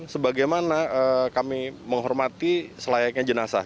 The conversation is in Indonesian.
sebagaimana kami menghormati selayaknya jenazah